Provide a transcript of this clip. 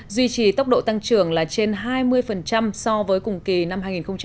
duy trì tốc độ tăng trưởng là trên hai mươi so với cùng kỳ năm hai nghìn một mươi chín